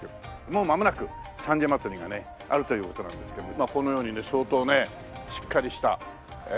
もうまもなく三社祭がねあるという事なんですけどもこのように相当ねしっかりした。